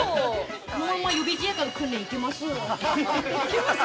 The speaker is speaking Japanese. ◆このまま予備自衛官の訓練に行けます。